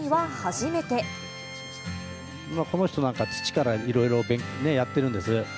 この人、なんか、土からいろいろやってるんです。